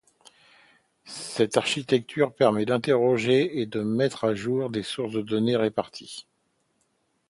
Cette architecture permet d'interroger et de mettre à jour des sources de données réparties.